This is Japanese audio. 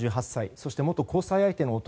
そして、元交際相手の男